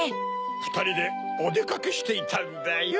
ふたりでおでかけしていたんだよ。